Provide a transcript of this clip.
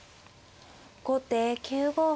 後手９五歩。